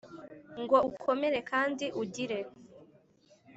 Ngo ukomere kandi ugire